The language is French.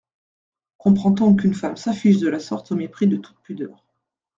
Comprend-on qu’une femme s’affiche de la sorte au mépris de toute pudeur…